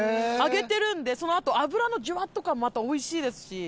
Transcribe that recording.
揚げてるんでそのあと油のじゅわっと感もまた美味しいですし。